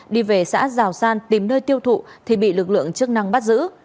đi về xã giào san tìm nơi tiêu thụ thì bị lực lượng chức năng bắt giữ